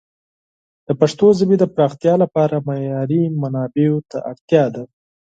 د پښتو ژبې د پراختیا لپاره معیاري منابعو ته اړتیا ده.